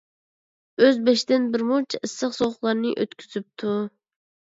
ئۆز بېشىدىن بىرمۇنچە ئىسسىق - سوغۇقلارنى ئۆتكۈزۈپتۇ.